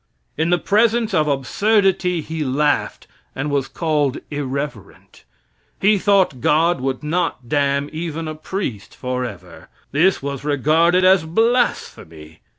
In the presence of absurdity he laughed, and was called irreverent. He thought God would not damn even a priest forever. This was regarded as blasphemy.